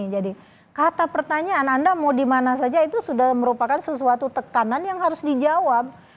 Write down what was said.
jadi kata pertanyaan anda mau dimana saja itu sudah merupakan sesuatu tekanan yang harus dijawab